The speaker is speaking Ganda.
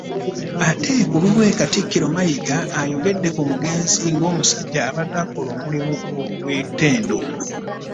Ate ku lulwe Katikkiro Mayiga ayogedde ku mugenzi nga omusajja abadde akola omulimu ogwetendo